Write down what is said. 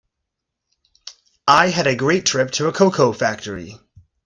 I had a great trip to a cocoa factory.